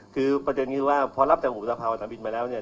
คือประเด็นคือว่าพอรับจากอุบสภาวสนามบินไปแล้วเนี่ย